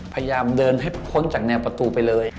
พยายามเดินให้พ้นจากแนวประตูไปเลย